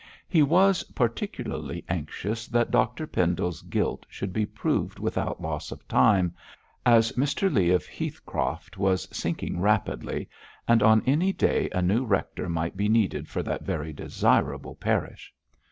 He was particularly anxious that Dr Pendle's guilt should be proved without loss of time, as Mr Leigh of Heathcroft was sinking rapidly, and on any day a new rector might be needed for that very desirable parish.